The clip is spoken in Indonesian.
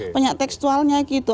banyak tekstualnya gitu